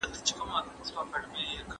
څه ډول حضوري تدريس عملي مهارتونه وده ورکوي؟